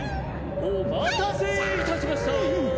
お待たせいたしました！